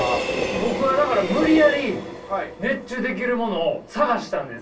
僕はだから無理やり熱中できるものを探したんです